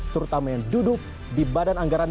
terutama yang duduk di badan anggaran